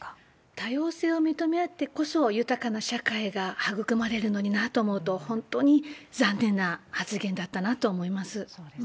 多様性を認め合ってこそ、豊かな社会が育まれるのになと思うと、本当に残念な発言だったなと思います。